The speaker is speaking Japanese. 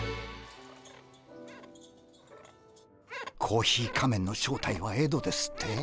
コーヒー仮面の正体はエドですって？